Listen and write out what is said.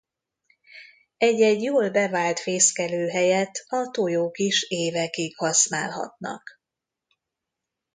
Egy-egy jól bevált fészkelőhelyet a tojók is évekig használhatnak.